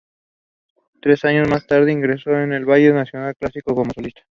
Tres años más tarde ingresó en el Ballet Nacional Clásico como solista.